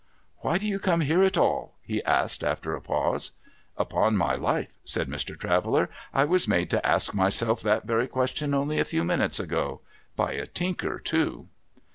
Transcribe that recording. ' Why do you come here at all ?' he asked, after a pause. ' Upon my life,' said Mr. Traveller, ' I was made to ask myself that very question only a few minutes ago — by a Tinker too.'